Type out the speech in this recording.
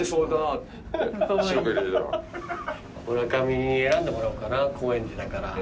村上に選んでもらおうかな高円寺だから。